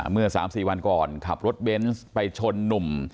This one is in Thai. เมื่อ๓๔วันก่อนขับรถเบนส์ไปชนหนุ่ม